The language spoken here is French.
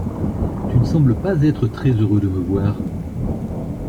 Tu ne sembles pas être très heureux de me voir.